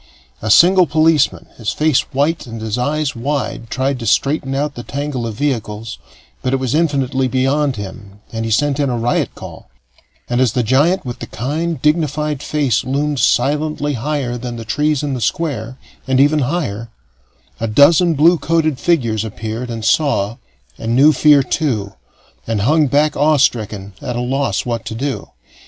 A single policeman, his face white and his eyes wide, tried to straighten out the tangle of vehicles, but it was infinitely beyond him and he sent in a riot call; and as the giant with the kind, dignified face loomed silently higher than the trees in the Square, and ever higher, a dozen blue coated figures appeared, and saw, and knew fear too, and hung back awe stricken, at a loss what to do.